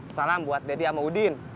salam buat daddy sama udin